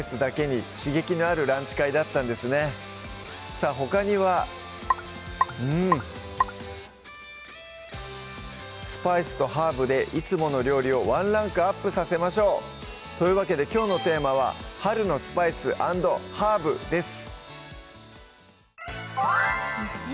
さぁほかにはうんスパイスとハーブでいつもの料理をワンランクアップさせましょうというわけできょうのテーマは「春のスパイス＆ハーブ」です